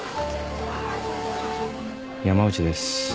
山内です。